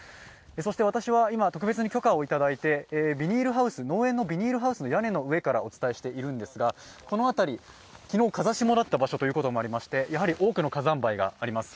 そして私は今、特別に許可をいただいて農園のビニールハウスの屋根の上からお伝えしているんですが、この辺り、昨日風下だった場所ということもありまして多くの火山灰があります。